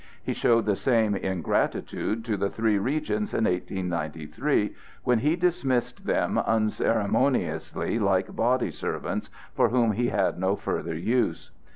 He showed the same ingratitude to the three regents in 1893 when he dismissed them unceremoniously like body servants for whom he had no further use.